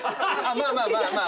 まあまあまあまあ。